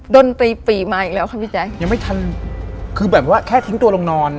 ดนตรีปี่มาอีกแล้วค่ะพี่แจ๊คยังไม่ทันคือแบบว่าแค่ทิ้งตัวลงนอน